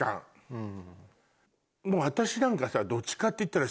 うん。